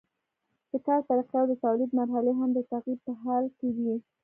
د کار طریقې او د تولید مرحلې هم د تغییر په حال کې وي.